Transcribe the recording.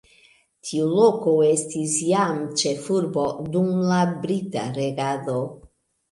Tiu loko estis jam ĉefurbo dum la brita regado.